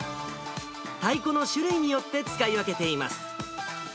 太鼓の種類によって使い分けています。